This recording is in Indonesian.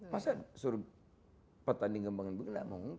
masa disuruh petani pengembangan tidak mungkin